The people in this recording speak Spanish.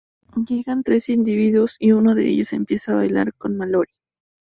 Llegan tres individuos y uno de ellos empieza a bailar con Mallory.